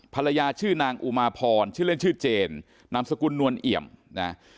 ภรรยาชื่อนางอุมาพรชื่อเล่นชื่อเจนนามสกุลนวลเอี่ยมนะ